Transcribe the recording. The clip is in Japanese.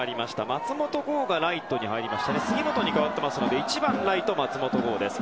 松本剛がライトに入り杉本に代わっていますので１番ライト松本剛です。